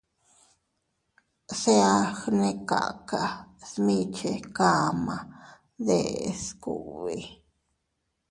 Se a gnekaka smiche kama deʼes kugbi.